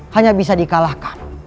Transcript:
hanya bisa dikalahkan